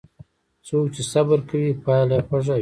څوک چې صبر کوي، پایله یې خوږه وي.